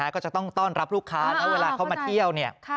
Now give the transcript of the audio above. ก็จะต้องต้อนรับลูกค้านะเวลาเขามาเที่ยวเนี่ย